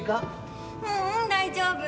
ううん大丈夫。